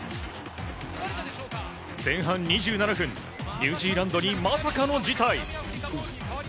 前半２７分ニュージーランドにまさかの事態。